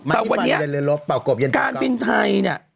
แต่วันนี้การบินไทยเนี่ย